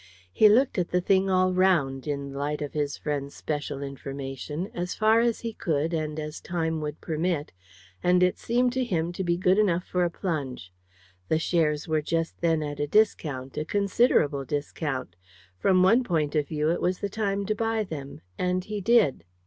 He looked at the thing all round in the light of his friend's special information! as far as he could, and as time would permit, and it seemed to him to be good enough for a plunge. The shares just then were at a discount a considerable discount. From one point of view it was the time to buy them and he did.